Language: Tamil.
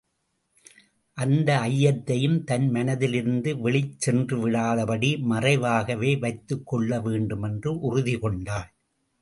அந்த ஐயத்தையும் தன் மனத்திலிருந்து வெளிச் சென்று விடாதபடி மறைவாகவே வைத்துக் கொள்ள வேண்டுமென்று உறுதி கொண்டாள்.